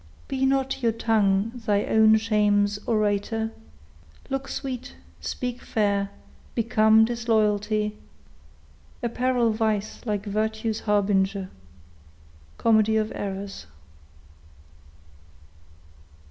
Be not your tongue thy own shame's orator, Look sweet, speak fair, become disloyalty, Apparel vice like virtue's harbinger. —_Comedy of Errors.